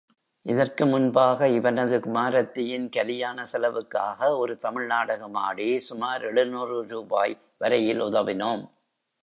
இதற்கு முன்பாக இவனது குமாரத்தியின் கலியாண செலவுக்காக, ஒரு தமிழ் நாடகமாடி சுமார் எழுநூறு ரூபாய் வரையில் உதவினோம்.